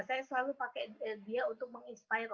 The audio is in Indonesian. saya selalu pakai dia untuk meng inspirasi